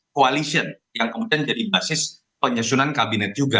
coalition yang kemudian jadi basis penyusunan kabinet juga